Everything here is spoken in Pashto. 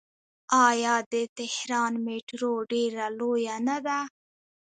آیا د تهران میټرو ډیره لویه نه ده؟